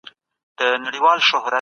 هر څوک بايد خپل مسوليت وپېژني.